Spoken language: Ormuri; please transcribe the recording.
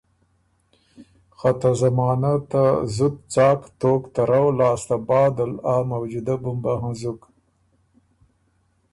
خه ته زمانه ته زُت څاک توک ترؤ لاسته بعدل آ موجودۀ بُمبه هنزُک